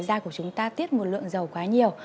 da của chúng ta tiết một lượng dầu quá nhiều